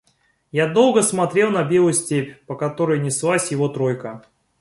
Я долго смотрел на белую степь, по которой неслась его тройка.